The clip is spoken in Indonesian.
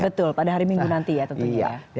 betul pada hari minggu nanti ya tentunya ya